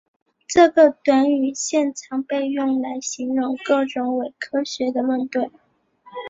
这个短语现常被用来形容各种伪科学的论断。